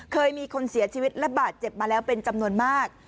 เคยมีคนเสียชีวิตและบาดเจ็บมาแล้วเป็นจำนวนมาก